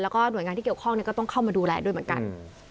แล้วก็หน่วยงานที่เกี่ยวข้องก็ต้องเข้ามาดูแลด้วยเหมือนกัน